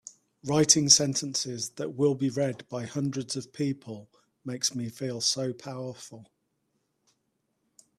Writing sentences that will be read by hundreds of people makes me feel so powerful!